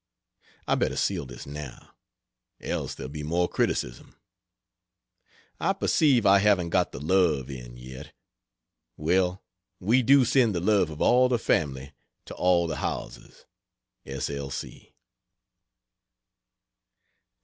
I better seal this, now else there'll be more criticism. I perceive I haven't got the love in, yet. Well, we do send the love of all the family to all the Howellses. S. L.